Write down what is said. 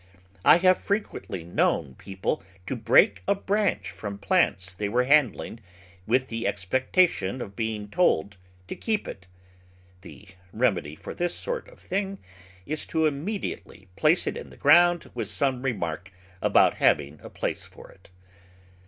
I have Digitized by Google Twenty four] JBOtt't* 255 frequently known people to break a branch from plants they were handling, with the expectation of being told to keep it. The remedy for this sort of thing is to immediately place it in the ground with some remark about having a place for it.